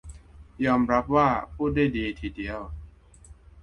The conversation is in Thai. ยอมรับว่าพูดได้ดีทีเดียว